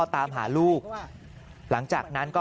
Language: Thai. ตามหาลูกหลังจากนั้นก็